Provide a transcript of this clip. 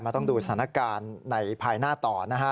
ต้องดูสถานการณ์ในภายหน้าต่อนะฮะ